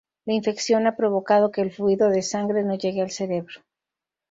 La infección ha provocado que el fluido de sangre no llegue al cerebro.